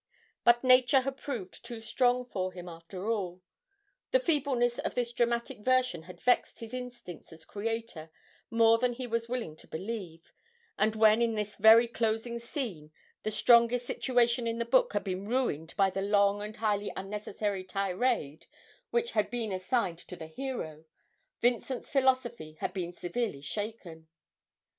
But nature had proved too strong for him after all: the feebleness of this dramatic version had vexed his instincts as creator more than he was willing to believe, and when in this very closing scene the strongest situation in the book had been ruined by the long and highly unnecessary tirade which had been assigned to the hero, Vincent's philosophy had been severely shaken.